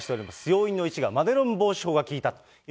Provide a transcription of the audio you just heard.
要因の１が、マネロン防止法が効いたと。